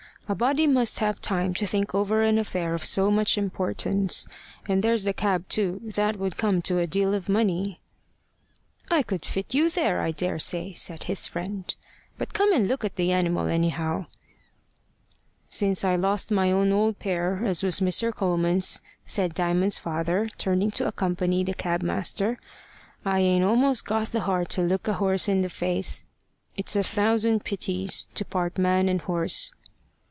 "A body must have time to think over an affair of so much importance. And there's the cab too. That would come to a deal of money." "I could fit you there, I daresay," said his friend. "But come and look at the animal, anyhow." "Since I lost my own old pair, as was Mr. Coleman's," said Diamond's father, turning to accompany the cab master, "I ain't almost got the heart to look a horse in the face. It's a thousand pities to part man and horse."